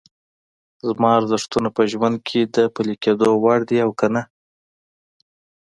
زما ارزښتونه په ژوند کې د پلي کېدو وړ دي او که نه؟